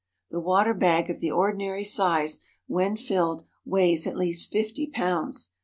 The water bag of the ordinary size, when filled, weighs at least fifty pounds.